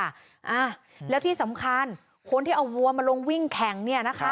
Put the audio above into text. อ่าแล้วที่สำคัญคนที่เอาวัวมาลงวิ่งแข่งเนี่ยนะคะ